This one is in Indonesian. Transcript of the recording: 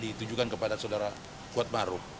ditujukan kepada saudara kuat baru